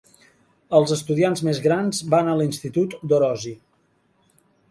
Els estudiants més grans van a l'Institut d'Orosi.